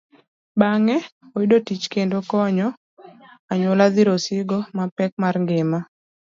Bang'e oyudo tich kendo konyo anyuola dhiro osigo mapek mar ngima.